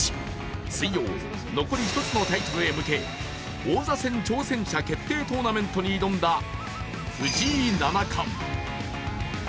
水曜、残り１つのタイトルへ向け王座戦挑戦者決定トーナメントに挑んだ藤井七冠。